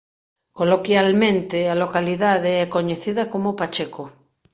Coloquialmente a localidade é coñecida como Pacheco.